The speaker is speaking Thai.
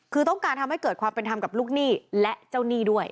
คือต้องการทำให้เกิดความเป็นธรรมกับลูกหนี้และเจ้าหนี้ด้วย